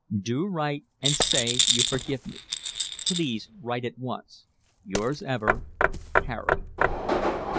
Do write and say you forgive me. Please write at once. Yours ever, Harry.